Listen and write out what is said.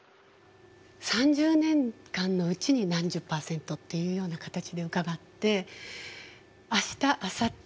３０年間のうちに何十％っていうような形で伺って明日あさって